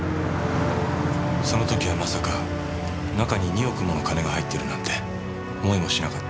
その時はまさか中に２億もの金が入っているなんて思いもしなかった。